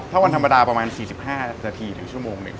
ถ้าวันธรรมดาประมาณ๔๕นาทีถึงชั่วโมงหนึ่ง